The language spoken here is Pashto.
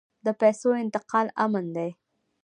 د پیسو انتقال امن دی؟